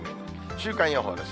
週間予報です。